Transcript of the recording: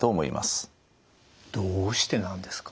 どうしてなんですか？